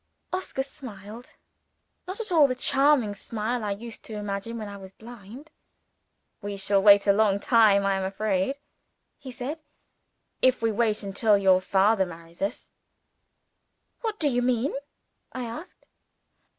Oscar smiled not at all the charming smile I used to imagine, when I was blind! "We shall wait a long time, I am afraid," he said, "if we wait until your father marries us." "What do you mean?" I asked.